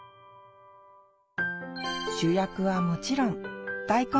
主役はもちろん大根です。